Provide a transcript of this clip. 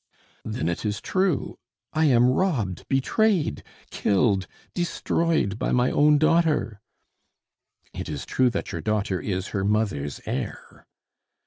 "Then it is true! I am robbed, betrayed, killed, destroyed by my own daughter!" "It is true that your daughter is her mother's heir."